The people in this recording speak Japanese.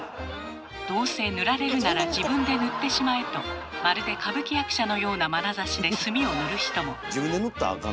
どうせ塗られるなら自分で塗ってしまえとまるで歌舞伎役者のようなまなざしで炭を塗る人も。